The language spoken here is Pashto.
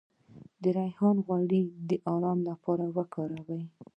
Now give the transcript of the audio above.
د ریحان غوړي د ارام لپاره وکاروئ